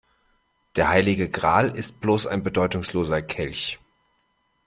Der heilige Gral ist bloß ein bedeutungsloser Kelch.